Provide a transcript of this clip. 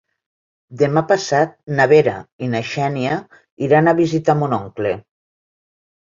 Demà passat na Vera i na Xènia iran a visitar mon oncle.